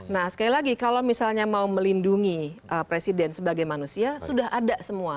nah sekali lagi kalau misalnya mau melindungi presiden sebagai manusia sudah ada semua